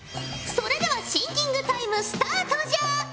それではシンキングタイムスタートじゃ。